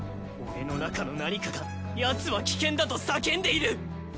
俺の中の何かがヤツは危険だと叫んでいる。